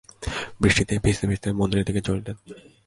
বৃষ্টিতে ভিজিতে ভিজিতে মন্দিরের দিকে চলিলেন।